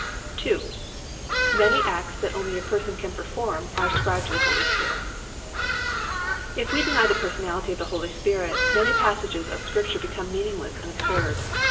II. Many acts that only a Person can perform are ascribed to the Holy Spirit. If we deny the personality of the Holy Spirit, many passages of Scripture become meaningless and absurd.